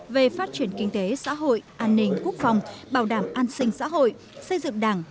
về phát triển kinh tế xã hội an ninh quốc phòng bảo đảm an sinh xã hội xây dựng đảng